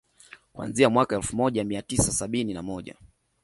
Kuanzia mwaka elfu moja mia tisa sabini na moja